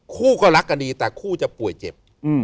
คู่ก็รักกันดีแต่คู่จะป่วยเจ็บ